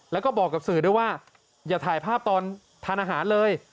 แล้วก็บอกกับสื่อด้วยว่าอย่าถ่ายภาพตอนทานอาหารเลย